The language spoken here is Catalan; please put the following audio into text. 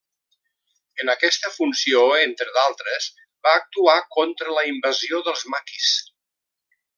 En aquesta funció, entre d'altres, va actuar contra la invasió dels maquis.